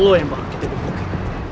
lu yang bakal kita degugin